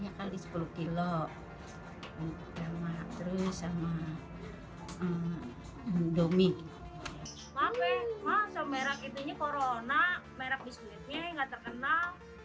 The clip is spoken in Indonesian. mape masa merk itunya corona merk biskuitnya yang gak terkenal